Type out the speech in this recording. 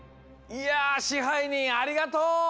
いや支配人ありがとう！